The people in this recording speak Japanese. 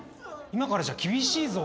今からじゃ厳しいぞ。